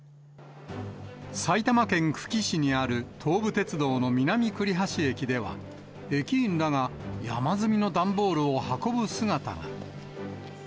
埼玉県久喜市にある東武鉄道の南栗橋駅では、駅員らが山積みの段ボールを運ぶ姿が。